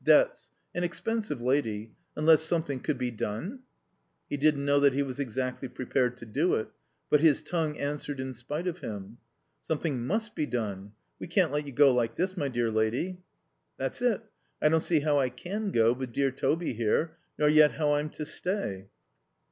Debts. An expensive lady. Unless something could be done?" He didn't know that he was exactly prepared to do it. But his tongue answered in spite of him. "Something must be done. We can't let you go like this, my dear lady." "That's it. I don't see how I can go, with dear Toby here. Nor yet how I'm to stay."